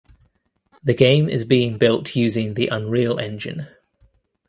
The game is being built using the Unreal Engine.